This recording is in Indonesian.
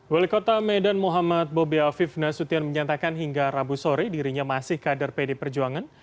wali kota medan muhammad bobi afif nasution menyatakan hingga rabu sore dirinya masih kader pd perjuangan